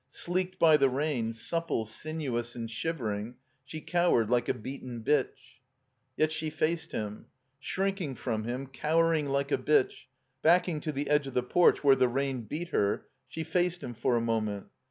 Sleeked by the rain, supple, sinuous, and shivering, she cow ered like a beaten bitch. Yet she faced him. Shrinking from him, cowerfng like a bitch, baddng to the edg^ of the porch where the rain beat her, she faced him for a moment.